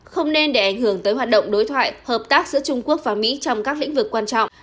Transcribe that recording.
không nên để ảnh hưởng tới hoạt động đối thoại hợp tác giữa trung quốc và mỹ trong các lĩnh vực quan trọng